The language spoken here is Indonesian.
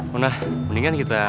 mona mendingan kita